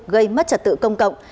gây mất trật tự công cộng